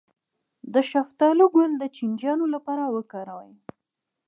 د شفتالو ګل د چینجیانو لپاره وکاروئ